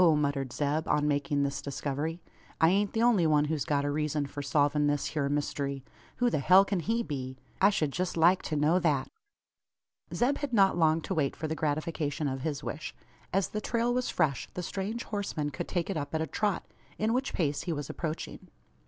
muttered Zeb, on making this discovery; "I ain't the only one who's got a reezun for solvin' this hyur myst'ry! Who the hell kin he be? I shed jest like to know that." Zeb had not long to wait for the gratification of his wish. As the trail was fresh, the strange horseman could take it up at a trot in which pace he was approaching.